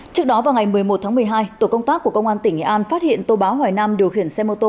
trước đó vào ngày một mươi một tháng một mươi hai tổ công tác của công an tỉnh nghệ an phát hiện tô bá hoài nam điều khiển xe mô tô